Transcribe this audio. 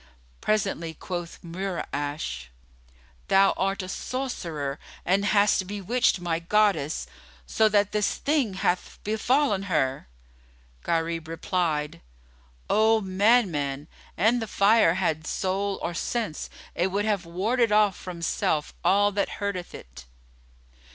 Presently quoth Mura'ash, "Thou art a sorcerer and hast bewitched my Goddess, so that this thing hath befallen her." Gharib replied, "O madman, an the fire had soul or sense it would have warded off from self all that hurteth it."